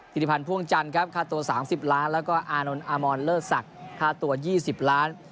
ธิริพันธ์พ่วงจันทร์ครับค่าตัว๓๐ล้านแล้วก็อานนท์อามอนเลิศศักดิ์ค่าตัว๒๐ล้าน